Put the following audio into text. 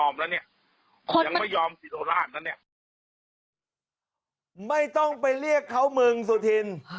ไม่ต้องไปเรียกเขามึงสุธิน